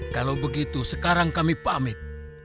kalau begitu sekarang kami pamit